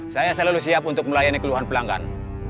saya selalu siap untuk melayani keluhan pelanggan